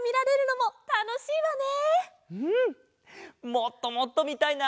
もっともっとみたいな！